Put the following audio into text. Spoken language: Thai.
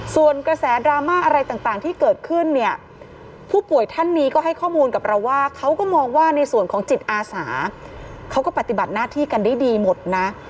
ส่วนกระแสดราม่าอะไรต่างที่เกิดขึ้นเนี่ยผู้ป่วยท่านนี้ก็ให้ข้อมูลกับเราว่าเขาก็มองว่าในส่วนของจิตอาสาเขาก็ปฏิบัติหน้าที่กันได้ดีหมดนะ